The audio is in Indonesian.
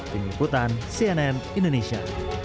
penyimputan cnn indonesia